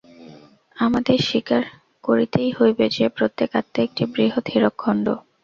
আমাদের স্বীকার করিতেই হইবে যে, প্রত্যেক আত্মা একটি বৃহৎ হীরকখণ্ড।